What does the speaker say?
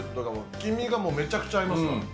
黄身がもうめちゃくちゃ合いますわ。